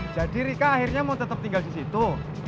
jadi rika akhirnya mau tetep tinggal disitu